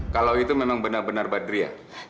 kalau itu memang benar benar badriah